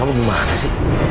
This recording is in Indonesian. kamu gimana sih